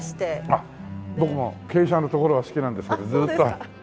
あっ僕も傾斜の所が好きなんですけど。